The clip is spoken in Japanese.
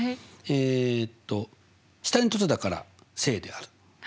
えっと下に凸だから正である。